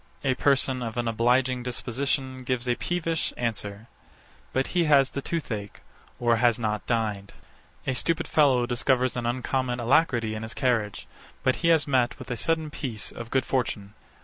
A person of an obliging disposition gives a peevish answer: But he has the toothache, or has not dined. A stupid fellow discovers an uncommon alacrity in his carriage: But he has met with a sudden piece of good fortune.